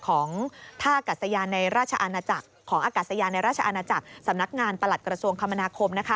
ของอากาศยานในราชอาณาจักรสำนักงานประหลัดกระทรวงคมนาคม